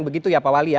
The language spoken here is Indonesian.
begitu ya pak wali ya